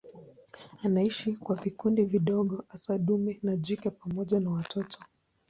Anaishi kwa vikundi vidogo hasa dume na jike pamoja na watoto.